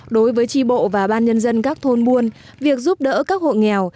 đối với tri bộ và ban nhân dân các thôn buôn việc giúp đỡ các hộ nghèo